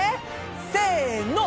せの！